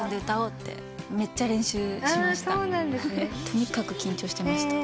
とにかく緊張してました。